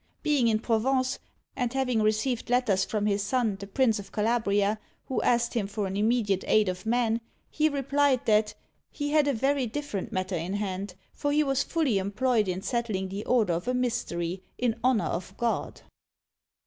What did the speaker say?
Being in Provence, and having received letters from his son the Prince of Calabria, who asked him for an immediate aid of men, he replied, that "he had a very different matter in hand, for he was fully employed in settling the order of a Mystery in honour of God."